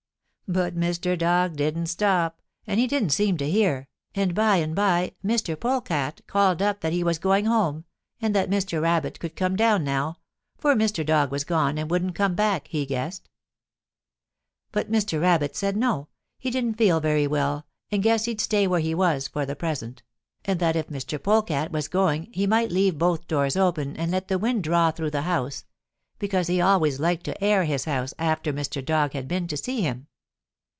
"But Mr. Dog didn't stop, and he didn't seem to hear, and by and by Mr. Polecat called up that he was going home and that Mr. Rabbit could come down now, for Mr. Dog was gone and wouldn't come back, he guessed. But Mr. Rabbit said no, he didn't feel very well yet and guessed he'd stay where he was for the present, and that if Mr. Polecat was going he might leave both doors open and let the wind draw through the house, because he always liked to air his house after Mr. Dog had been to see him.